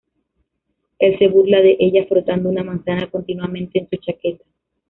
Él se burla de ella frotando una manzana continuamente en su chaqueta.